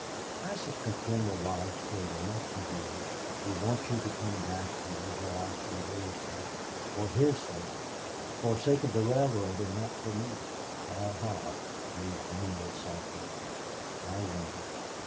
I suspect General Lodge cared enough for you to want you to come back to your job for your sake for his sake for sake of the railroad. And not for me." "Aha!" breathed Neale, softly. "I wonder!...